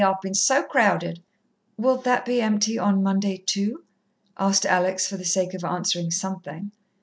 I've been so crowded." "Will that be empty on Monday, too?" asked Alex, for the sake of answering something.